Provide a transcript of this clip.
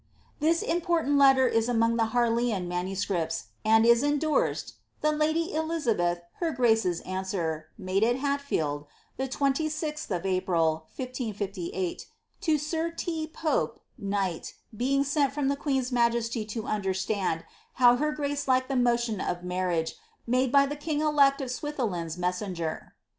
This important letter is among the llarleian MSS., and is endorsed, ^ The lady Elizabeth, her grace's answer, made at Hatfield, the 26th of April, 1558, to sir T. Pope, knt., being sent from the queen's majesty to understand how her grace liked of the motion of marriage, made by ihe king elect of Swetheland's messenger.'"